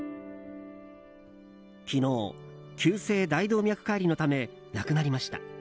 昨日、急性大動脈解離のため亡くなりました。